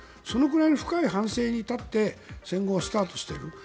そのくらいの深い反省に立って戦後スタートしている。